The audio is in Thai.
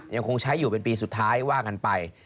ยังคงใช้อยู่เป็นปีสุดท้ายว่ากันไป